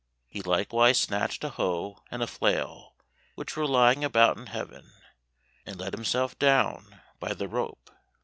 He likewise snatched a hoe and a flail which were lying about in heaven, and let himself down by the rope.